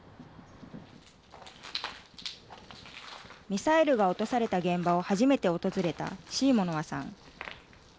ミサイルが落とされた現場を初めて訪れたシーモノワさん。